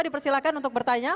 dipersilakan untuk bertanya